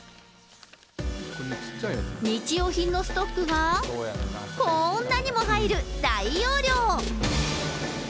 日用品のストックがこんなにも入る大容量。